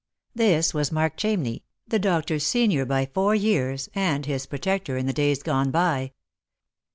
This was Mark Chamney, the doctor's senior by four years, and his protector in the days gone by.